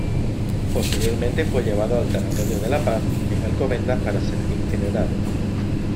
Posteriormente fue llevado al tanatorio de La Paz en Alcobendas para ser incinerado.